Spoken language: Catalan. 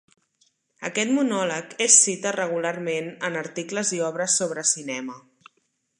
Aquest monòleg és cita regularment en articles i obres sobre cinema.